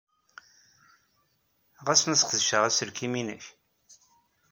Ɣas ma sqedceɣ aselkim-nnek?